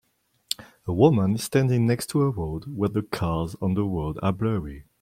A woman is standing next to a road where the cars on the road are blurry.